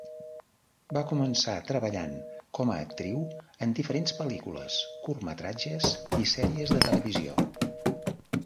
Va començar treballant com a actriu en diferents pel·lícules, curtmetratges i sèries de televisió.